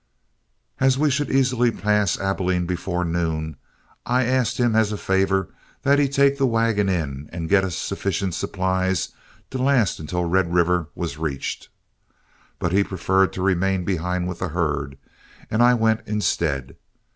As we should easily pass Abilene before noon, I asked him as a favor that he take the wagon in and get us sufficient supplies to last until Red River was reached. But he preferred to remain behind with the herd, and I went instead.